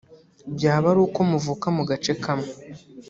byaba ari uko muvuka mu gace kamwe